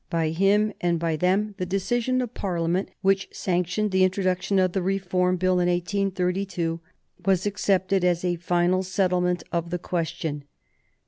By him and by them the decision of Parliament, which sanctioned the introduction of the Reform Bill of 1832, was accepted as a final settlement of the question.